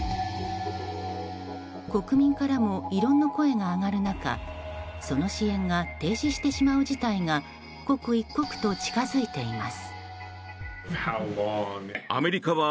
国民からも異論の声が上がる中その支援が停止してしまう事態が刻一刻と近づいています。